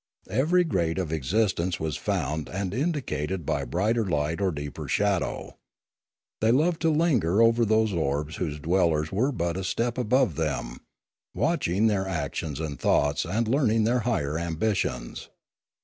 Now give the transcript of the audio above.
Every grade of existence was found and indicated by brighter light or deeper shadow. They loved to linger over those orbs whose dwellers were but a step above them, watching their actions and thoughts and learn ing their higher ambitions.